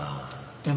でも。